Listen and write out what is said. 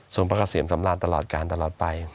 พระเกษียมสำราญตลอดการตลอดไป